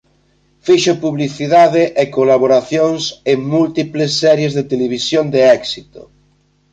Fixo publicidade e colaboracións en múltiples series de televisión de éxito.